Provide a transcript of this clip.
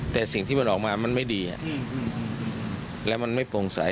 แต่สิ่งที่มันออกมามันไม่ดีแล้วมันไม่โปร่งใส